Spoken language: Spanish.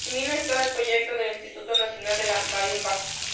En camino, está el proyecto del Instituto Nacional de la Marimba.